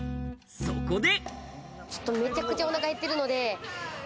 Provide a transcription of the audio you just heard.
そこで。